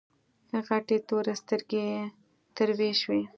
غټې تورې سترګې يې تروې شوې.